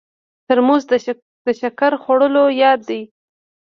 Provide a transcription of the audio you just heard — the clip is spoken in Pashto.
ترموز د شکر خوړلو یاد دی.